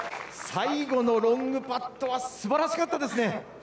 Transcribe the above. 最後のロングパットはすばらしかったですね！